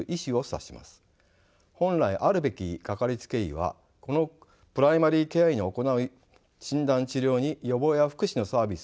本来あるべきかかりつけ医はこのプライマリケア医の行う診断治療に予防や福祉のサービスを追加したものだと言えます。